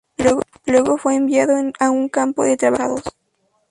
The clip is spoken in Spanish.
Luego fue enviado a un campo de trabajos forzados.